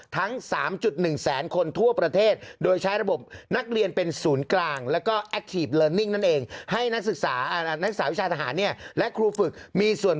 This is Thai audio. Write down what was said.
นักศึกษาชั้นปีหนึ่งถึงห้าใหม่หมดเลย